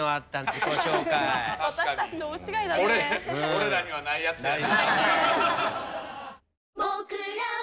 俺らにはないやつやな。